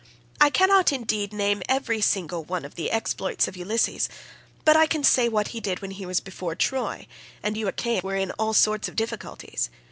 I cannot indeed name every single one of the exploits of Ulysses, but I can say what he did when he was before Troy, and you Achaeans were in all sorts of difficulties.